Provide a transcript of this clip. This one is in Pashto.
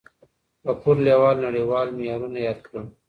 غفور لیوال نړیوال معیارونه یاد کړل.